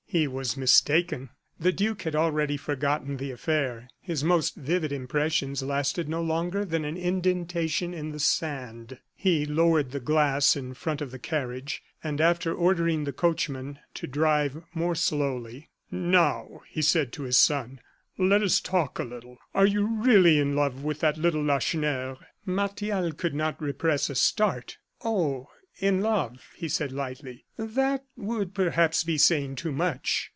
He was mistaken. The duke had already forgotten the affair; his most vivid impressions lasted no longer than an indentation in the sand. He lowered the glass in front of the carriage, and, after ordering the coachman to drive more slowly: "Now," said he to his son, "let us talk a little. Are you really in love with that little Lacheneur?" Martial could not repress a start. "Oh! in love," said he, lightly, "that would perhaps be saying too much.